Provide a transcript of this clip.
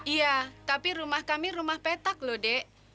iya tapi rumah kami rumah petak loh dek